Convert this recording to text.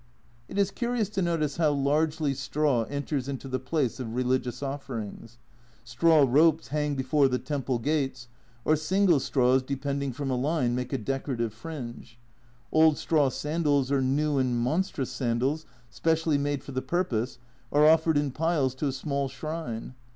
It is curious to notice how largely straw enters into the place of religious offerings. Straw ropes hang before the temple gates, or single straws depend ing from a line make a decorative fringe ; old straw sandals, or new and monstrous sandals specially made for the purpose, are offered in piles to a small shrine.